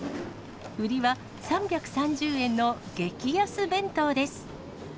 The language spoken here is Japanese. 売りは、３３０円の激安弁当です。